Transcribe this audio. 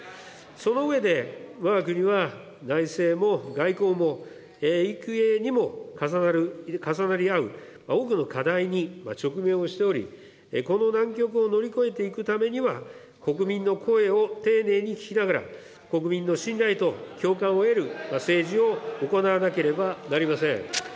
その上でわが国は内政も外交も幾重にも重なる、重なり合う多くの課題に直面をしており、この難局を乗り越えていくためには、国民の声を丁寧に聞きながら、国民の信頼と共感を得る政治を行わなければなりません。